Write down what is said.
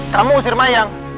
kamu usir mayang